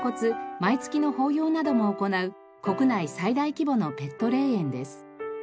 毎月の法要なども行う国内最大規模のペット霊園です。